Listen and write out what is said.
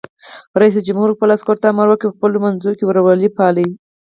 رئیس جمهور خپلو عسکرو ته امر وکړ؛ په خپلو منځو کې ورورولي پالئ!